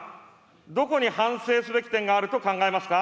どこに反省すべき点があると考えますか。